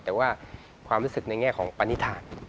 แต่ว่าความรู้สึกในแง่ของปณิธาน